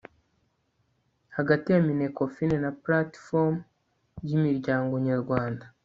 hagati ya minecofin na platform y' imiryango nyarwanda